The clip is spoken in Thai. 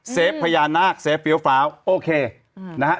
พญานาคเซฟเฟี้ยวฟ้าวโอเคนะฮะ